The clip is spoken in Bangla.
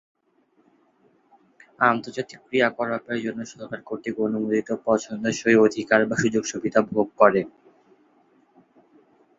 আন্তর্জাতিক ক্রিয়াকলাপের জন্য সরকার কর্তৃক অনুমোদিত পছন্দসই অধিকার বা সুযোগ-সুবিধা ভোগ করে।